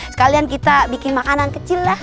sekalian kita bikin makanan kecil lah